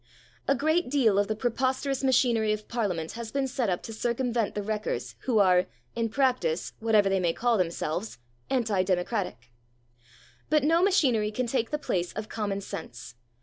A great deal of the preposterous machinery of Parliament has been set up to circumvent the wreckers, who are, in practice, whatever they may call themselves, anti democratic. But no machinery can take the place of common sense.